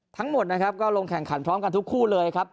ทั้งหมดนะครับก็ลงแข่งขันพร้อมกันทุกคู่เลยครับ